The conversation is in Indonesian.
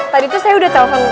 tadi tuh saya udah telpon